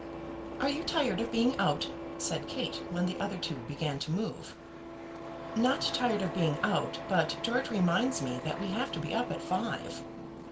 "Are you tired of being out?" said Kate, when the other two began to move. "Not tired of being out, but George reminds me that we have to be up at five."